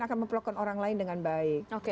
akan memperlakukan orang lain dengan baik